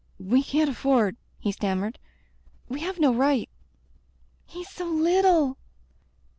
"We can't afford," he stammered, "we have no right " "He's so little!"